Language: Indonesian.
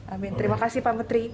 amin terima kasih pak menteri